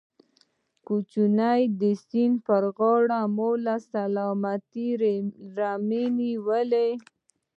کوچيان دي، د سيند پر غاړه مو له سلامتې رمې سره ونيول.